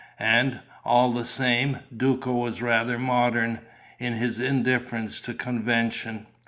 And, all the same, Duco was rather modern, in his indifference to convention.